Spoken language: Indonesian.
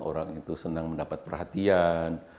orang itu senang mendapat perhatian